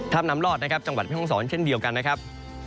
น้ำลอดนะครับจังหวัดแม่ห้องศรเช่นเดียวกันนะครับ